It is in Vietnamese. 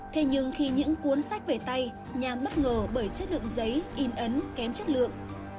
thế nhưng khi những cuốn sách về tay nhàn bất ngờ bởi chất lượng giấy in ấn kém chất lượng